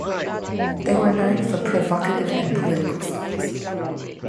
They were known for provocative and political songs.